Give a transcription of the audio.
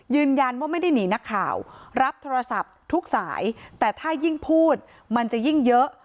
ยืนยันว่าไม่ได้หนีนักข่าวรับโทรศัพท์ทุกสายแต่ถ้ายิ่งพูดมันจะยิ่งเยอะ